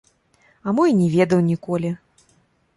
А мо і не ведаў ніколі!